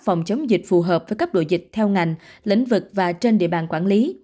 phòng chống dịch phù hợp với cấp độ dịch theo ngành lĩnh vực và trên địa bàn quản lý